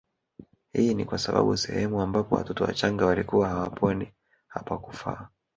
Hii ni kwa sababu sehemu ambapo watoto wachanga walikuwa hawaponi hapakufaa